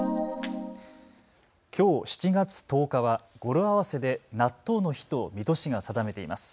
きょう７月１０日は語呂合わせで納豆の日と水戸市が定めています。